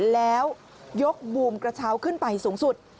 แล้วยกบูมกระเช้าขึ้นไปสูงสุด